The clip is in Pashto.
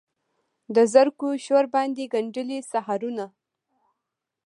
د زرکو شور باندې ګندلې سحرونه